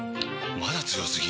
まだ強すぎ？！